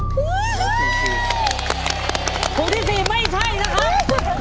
ถุงที่๔ไม่ใช่นะครับ